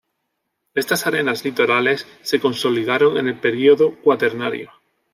Estas arenas litorales se consolidaron en el período Cuaternario.